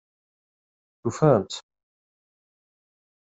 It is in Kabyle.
Tufam-tt?